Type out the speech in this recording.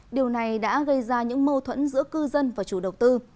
điều này đã gây ra những mâu thuẫn giữa cư dân và chủ đầu tư